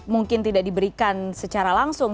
mungkin tidak diberikan secara langsung